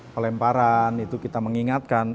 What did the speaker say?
pelemparan itu kita mengingatkan